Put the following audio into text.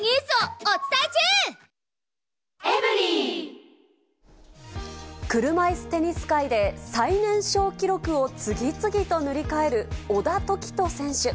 ぜひ、車いすテニス界で最年少記録を次々と塗り替える小田凱人選手。